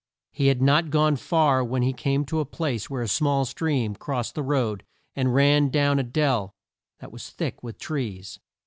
He had not gone far when he came to a place where a small stream crossed the road and ran down a dell that was thick with trees.